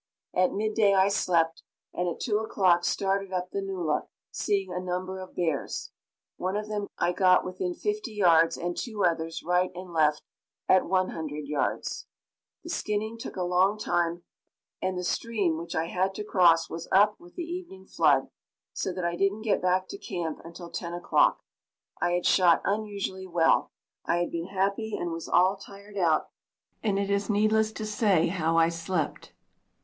At midday I slept, and at 2 o'clock started up the nullah, seeing a number of bears. One of them I got within fifty yards, and two others, right and left, at 100 yards. The skinning took a long time, and the stream which I had to cross was up with the evening flood, so that I didn't get back to camp until 10 o'clock. I had shot unusually well, I had been happy and was all tired out, and it is needless to say how I slept.